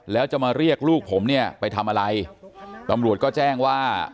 แล้วจะมาเรียกลูกผมเนี่ยไปทำอะไรตำรวจก็แจ้งว่า